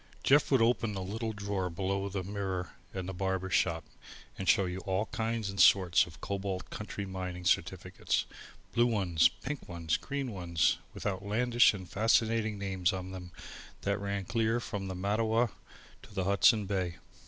Jeff would open the little drawer below the mirror in the barber shop and show you all kinds and sorts of Cobalt country mining certificates, blue ones, pink ones, green ones, with outlandish and fascinating names on them that ran clear from the Mattawa to the Hudson Bay.